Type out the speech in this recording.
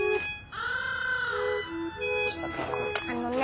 あのね